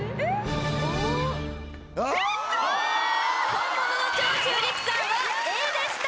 本物の長州力さんはＡでした！